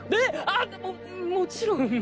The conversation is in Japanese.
あっももちろん。